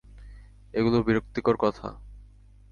এগুলো বিরক্তিকর কথা।